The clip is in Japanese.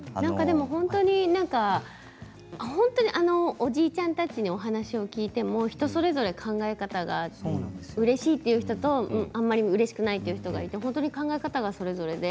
なんか、本当におじいちゃんたちにお話を聞いても人それぞれ考え方がうれしいという人とあまりうれしくないという人がいて本当、考え方がそれぞれで。